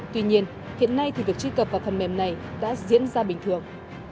tuy nhiên hiện nay thì việc truy cập vào phần mềm này đã diễn ra bình thường